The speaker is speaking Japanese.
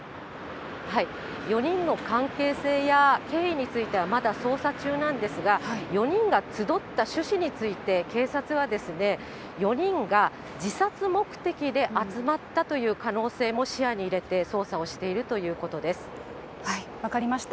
４人の関係性や経緯についてはまだ捜査中なんですが、４人が集った趣旨について、警察は、４人が自殺目的で集まったという可能性も視野に入れて捜査をして分かりました、